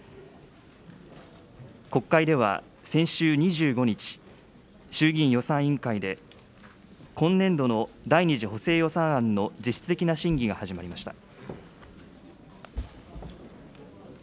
国会では、先週２５日、衆議院予算委員会で今年度の第２次補正予算案の実質的な審議が始まりました。